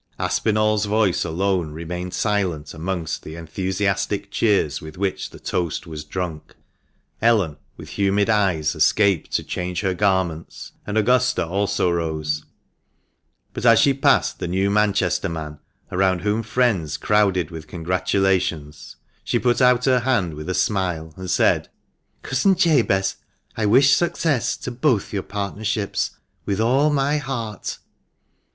409 Aspinall's voice alone remained silent amongst the enthusiastic cheers with which the toast was drunk. Ellen, with humid eyes, escaped to change her garments, and Augusta also rose; but as she passed the new Manchester man, around whom friends crowded with congratulations, she put out her hand with a smile, and said, "Cousin Jabez, I wish success to both your partnerships with all my heart."